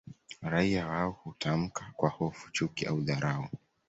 Raia wao hutamka kwa hofu chuki au dharau